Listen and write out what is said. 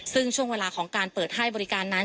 ซึ่งช่วงเวลาของการเปิดให้บริการนั้น